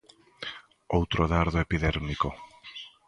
Outro dardo epidérmico.